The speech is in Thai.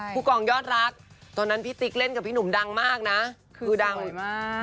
ผู้กองยอดรักตอนนั้นพี่ติ๊กเล่นกับพี่หนุ่มดังมากนะคือดังมาก